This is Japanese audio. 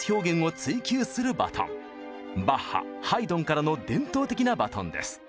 バッハハイドンからの伝統的なバトンです。